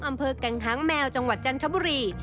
อำเภอแก่งหางแมวจังหวัดจันทบุรี